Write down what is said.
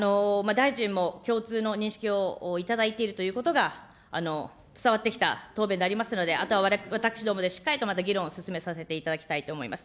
大臣も共通の認識を頂いているということが伝わってきた答弁でありますので、あとは私どもでしっかりとまた議論を進めさせていただきたいと思います。